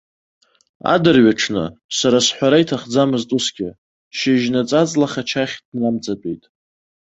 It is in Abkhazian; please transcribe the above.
Адырҩаҽны, сара сҳәара иҭахӡамызт усгьы, шьыжьнаҵы аҵла хачахь днамҵатәеит.